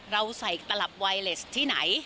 เราใส่ตลับไวเลสที่ไหน